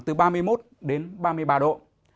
từ ba mươi một đến ba mươi ba độ